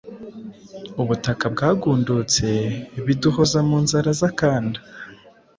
ubutaka bwagundutse, biduhoza mu nzara z’akanda,